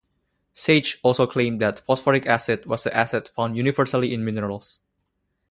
Sage also claimed that phosphoric acid was the acid found universally in minerals.